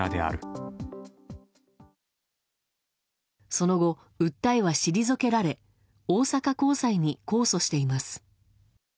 その後、訴えは退けられ大阪高裁に控訴しています。